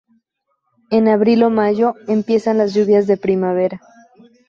En abril o mayo empiezan las lluvias de "primera".